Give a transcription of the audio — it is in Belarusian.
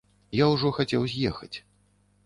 Я ўжо хацеў з'ехаць.